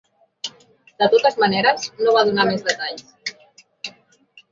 De totes maneres, no va donar més detalls.